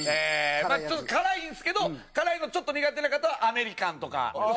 ちょっと辛いんですけど辛いのちょっと苦手な方はアメリカンとか薄められる。